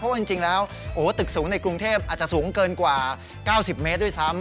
เพราะว่าจริงแล้วตึกสูงในกรุงเทพอาจจะสูงเกินกว่า๙๐เมตรด้วยซ้ำ